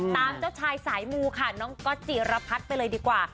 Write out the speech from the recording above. ตามเจ้าชายสายมูค่ะน้องก็จิรพัทไปเลยดีกว่า